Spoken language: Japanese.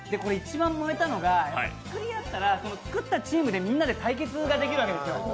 一番燃えたのが、作り合ったら、作ったチームでみんなで対決ができるわけですよ